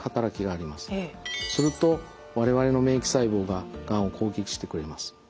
すると我々の免疫細胞ががんを攻撃してくれます。